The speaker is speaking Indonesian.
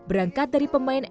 berangkat dari pemain elokasi